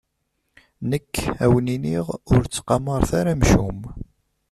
Nekk, ad wen-iniɣ: Ur ttqamaret ara amcum.